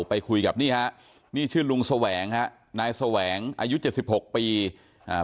ไปคุยกับนี่ฮะนี่ชื่อลุงแสวงฮะนายแสวงอายุเจ็ดสิบหกปีอ่า